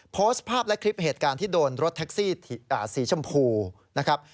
โพสต์ภาพและคลิปเหตุการณ์ที่โดนรถแท็กซี่สีชมพูนะครับ